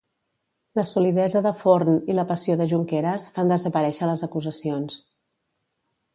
La solidesa de Forn i la passió de Junqueras fan desaparèixer les acusacions.